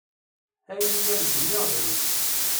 Ayen i am-d-nniɣ drus.